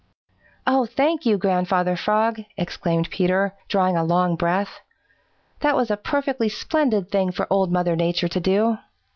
"Oh, thank you, Grandfather Frog," exclaimed Peter, drawing a long breath. "That was a perfectly splendid thing for Old Mother Nature to do."